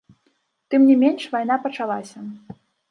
Тым не менш, вайна пачалася.